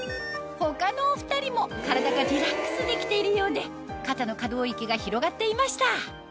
他のお２人も体がリラックスできているようで肩の可動域が広がっていました